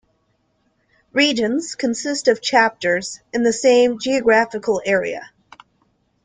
Regions consist of chapters in the same geographical area.